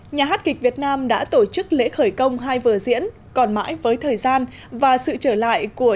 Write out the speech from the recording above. nhà hát kịch việt nam đã tổ chức lễ khởi công hai vở diễn còn mãi với thời gian và sự trở lại của